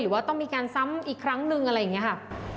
ว่าต้องมีการซ้ำอีกครั้งหนึ่งอะไรอย่างนี้ค่ะ